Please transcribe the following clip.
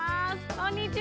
こんにちは。